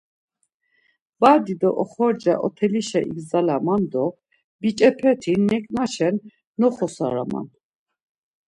Badi do oxorca otelişa igzalaman do biç̌epeti neǩna-şen noxorsalaman.